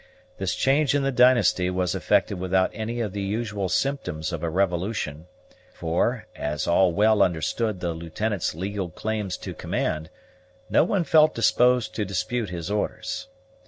This change in the dynasty was effected without any of the usual symptoms of a revolution; for, as all well understood the Lieutenant's legal claims to command, no one felt disposed to dispute his orders.